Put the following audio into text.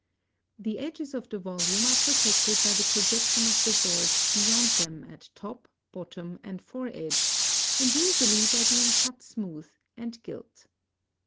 The edges of the volume are protected by the projection of the boards beyond them at top, bottom, and fore edge, and usually by being cut smooth and gilt.